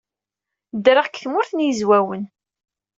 Ddreɣ deg Tmurt n Yizwawen.